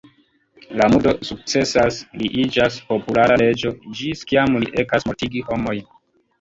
La murdo sukcesas, li iĝas populara reĝo, ĝis kiam li ekas mortigi homojn.